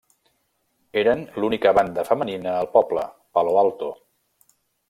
Eren l'única banda femenina al poble, Palo Alto.